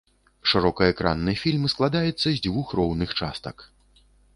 Шырокаэкранны фільм складаецца з дзвюх роўных частак.